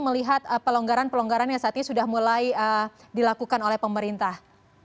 melihat pelonggaran pelonggaran yang saat ini sudah mulai dilakukan oleh pemerintah